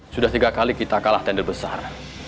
sudah tiga kali kita kalah tender besar